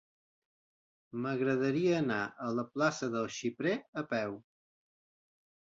M'agradaria anar a la plaça del Xiprer a peu.